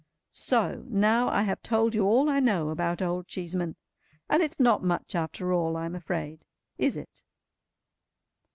So, now I have told you all I know about Old Cheeseman. And it's not much after all, I am afraid. Is it?